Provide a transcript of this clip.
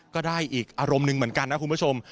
ก็ได้อีกอารมณ์หนึ่งเหมือนกันนะคุณผู้ชม